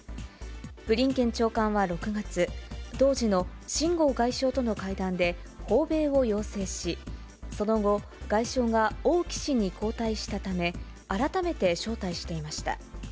ブリンケン長官は６月、当時の秦剛外相との会談で、訪米を要請し、その後、外相が王毅氏に交代したため、改めて招待していました。